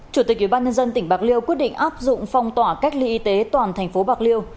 chủ tịch ubnd tỉnh bạc liêu quyết định áp dụng phong tỏa cách ly y tế toàn thành phố bạc liêu